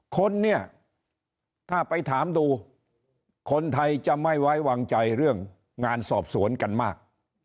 คนเนี่ยถ้าไปถามดูคนไทยจะไม่ไว้วางใจเรื่องงานสอบสวนกันมาก